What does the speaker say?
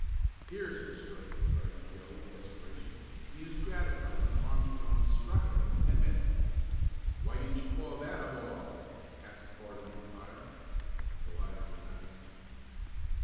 "Here's a strike!" cried Joe, in desperation and he was gratified when Armstrong struck at it and missed. "Why didn't you call that a ball?" asked Bart of the umpire. The latter did not answer.